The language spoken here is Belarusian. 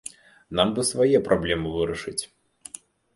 Нам бы свае праблемы вырашыць.